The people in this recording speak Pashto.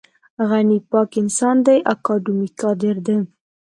غني پاک انسان دی اکاډمیک کادر دی.